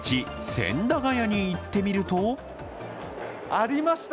千駄ヶ谷に行ってみるとありました、